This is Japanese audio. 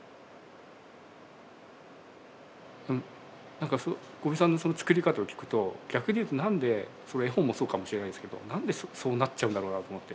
何か五味さんのその作り方を聞くと逆に言うと何でそれ絵本もそうかもしれないんですけど何でそうなっちゃうんだろうなと思って。